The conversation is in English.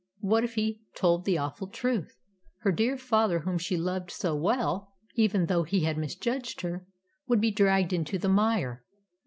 What if he told the awful truth? Her own dear father, whom she loved so well, even though he had misjudged her, would be dragged into the mire.